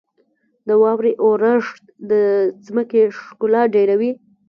• د واورې اورښت د ځمکې ښکلا ډېروي.